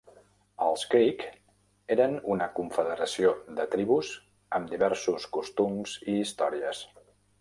Els creek eren una confederació de tribus amb diversos costums i històries.